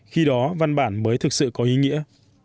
khi đó văn bản mới thực sự có ý nghĩa